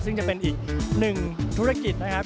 ซึ่งจะเป็นอีกหนึ่งธุรกิจนะครับ